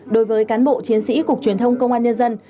đối với cán bộ chiến sĩ cục truyền thông công an nhân dân